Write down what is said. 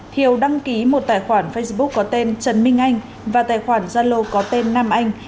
thiều đăng ký một tài khoản facebook có tên trần minh anh và tài khoản zalo có tên nam anh